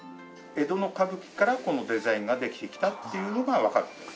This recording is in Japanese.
江戸の歌舞伎からこのデザインができてきたっていうのがわかるんですね。